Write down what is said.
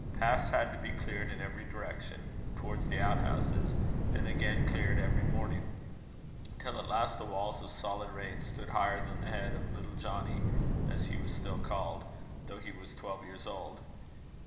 Paths had to be cleared in every direction towards the out houses, and again cleared every morning; till at last the walls of solid rain stood higher than the head of little Johnnie, as he was still called, though he was twelve years old.